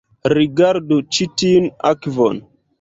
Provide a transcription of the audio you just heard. Rigardu ĉi tiun akvon